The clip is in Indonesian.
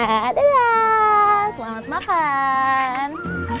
dadah selamat makan